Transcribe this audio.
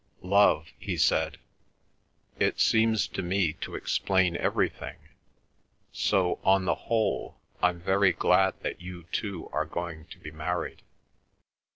"Love," he said. "It seems to me to explain everything. So, on the whole, I'm very glad that you two are going to be married."